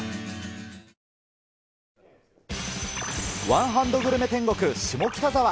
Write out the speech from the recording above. ワンハンドグルメ天国、下北沢。